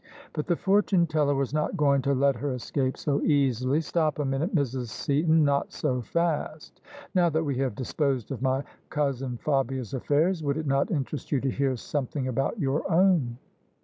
But the fortune teller was not going to let her escape so easily. " Stop a minute, Mrs. Seaton ; not so fast. Now that we have disposed of my cousin Fabia's affairs, would it not interest you to hear something about your own?"